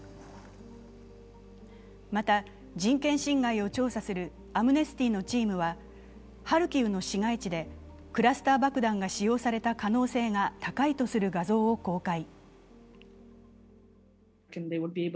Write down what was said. また、人権侵害を調査するアムネスティのチームはハルキウの市街地でクラスター爆弾が使用された可能性が高いとする画像を公開。